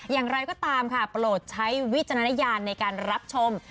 อย่างไรก็ตามค่ะโปรดใช้วิจารณญาณในการรับชม